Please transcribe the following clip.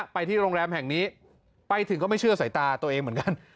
ไปที่โรงแรมแห่งนี้ไปถึงก็ไม่เชื่อสายตาตัวเองเหมือนกัน